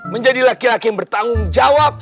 menjadi laki laki yang bertanggung jawab